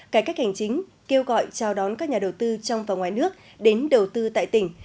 cải cách hành chính kêu gọi chào đón các nhà đầu tư trong và ngoài nước đến đầu tư tại tỉnh